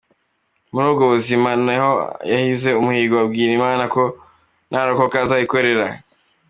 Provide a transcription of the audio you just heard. Muri ubwo buzima, ni naho yahize umuhigo abwira Imana ko narokoka azayikorera.